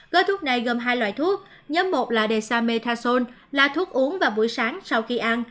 gói thuốc này gồm hai loại thuốc nhóm một là desa metason là thuốc uống vào buổi sáng sau khi ăn